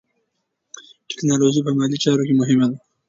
ټیکنالوژي په مالي چارو کې مهمه ده.